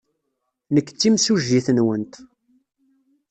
Nekk d timsujjit-nwent.